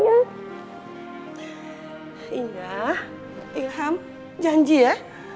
indah ilham janji ya